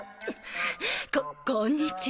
こっこんにちは。